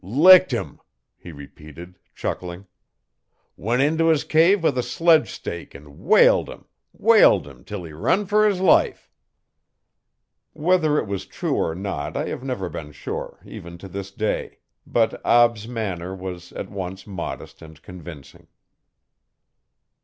'Licked 'im,' he repeated chucking. 'Went into his cave with a sledge stake an' whaled 'im whaled 'im 'til he run fer his life.' Whether it was true or not I have never been sure, even to this day, but Ab's manner was at once modest and convincing.